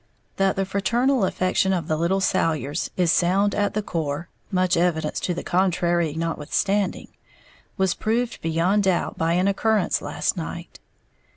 _ That the fraternal affection of the little Salyers is sound at the core (much evidence to the contrary notwithstanding) was proved beyond doubt by an occurrence last night.